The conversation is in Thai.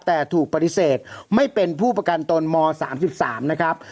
แต่ถูกปฏิเสธไม่เป็นผู้ประกันตนม๓๓นะครับ